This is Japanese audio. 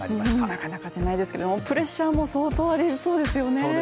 なかなか出ないですけどもプレッシャーも相当ありそうですよね。